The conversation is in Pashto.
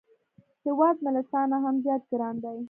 هیواد مې له تا نه هم زیات ګران دی